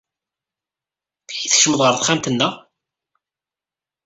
Amek ay tkecmeḍ ɣer texxamt-nneɣ?